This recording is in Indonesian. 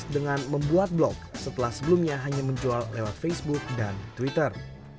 dua ribu dua belas dengan membuat blog setelah sebelumnya hanya menjual lewat facebook dan twitter